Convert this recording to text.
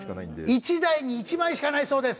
１台に１枚しかないそうです！